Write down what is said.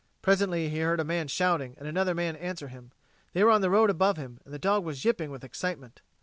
Presently he heard a man shouting, and another man answer him. They were on the road above him, and the dog was yipping with excitement.